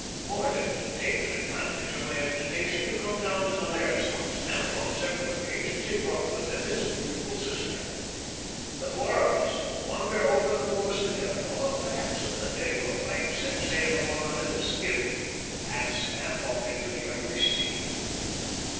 Mordaunt had taken advantage of my invitation to come down to the laird's house, and on several occasions he brought with him his beautiful sister. The four of us would wander over the moors together, or perhaps if the day were fine set sail upon our little skiff and stand off into the Irish Sea.